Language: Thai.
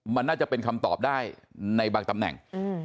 มันน่าจะเป็นคำตอบได้ในบางตำแหน่ง